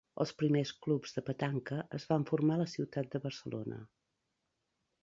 Els primers clubs de petanca es van formar a la ciutat de Barcelona.